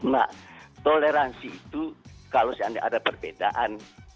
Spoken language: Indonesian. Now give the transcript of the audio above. nah toleransi itu kalau seandainya ada perbedaan